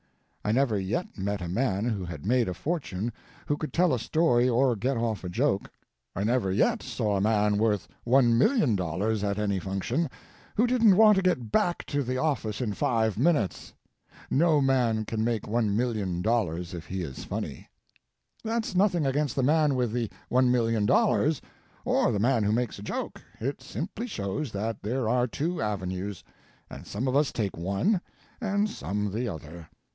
I never yet met a man who had made a fortune who could tell a story or get off a joke. I never yet saw a man worth $1,000,000 at any function who didn't want to get back to the office in five minutes. No man can make $1,000,000 if he is funny. "That's nothing against the man with the $1,000,000 or the man who makes a joke. It simply shows that there are two avenues, and some of us take one and some the other.